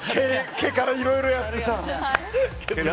毛から、いろいろやってさ。